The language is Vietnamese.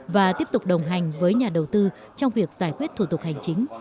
và tiếp tục đồng hành với nhà đầu tư trong việc giải quyết thủ tục hành chính